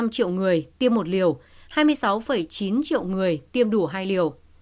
ba mươi hai năm triệu người tiêm một liều hai mươi sáu chín triệu người tiêm đủ hai liều